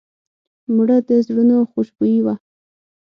مړه د زړونو خوشبويي وه